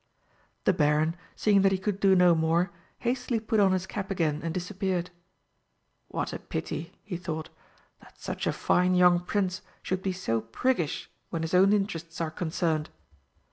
The Baron, seeing that he could do no more, hastily put on his cap again and disappeared. "What a pity," he thought, "that such a fine young Prince should be so priggish when his own interests are concerned!"